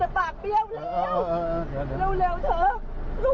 พ่อแม่รีบขับรถติดหัวใจหยุดเต้นหัวใจหยุดเต้น